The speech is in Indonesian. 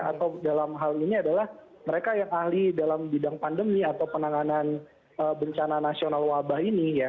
atau dalam hal ini adalah mereka yang ahli dalam bidang pandemi atau penanganan bencana nasional wabah ini ya